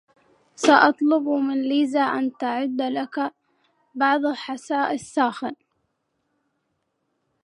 سأطلب من ليزا أن تعد لك بعض الحساء الساخن.